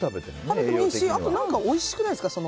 食べてもいいしあと、おいしくないですか。